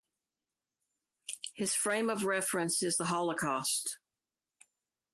His frame of reference is the Holocaust.